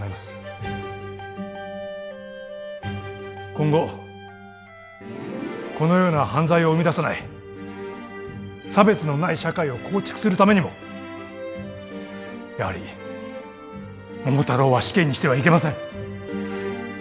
今後このような犯罪を生み出さない差別のない社会を構築するためにもやはり桃太郎は死刑にしてはいけません。